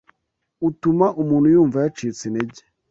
utuma umuntu yumva yacitse intege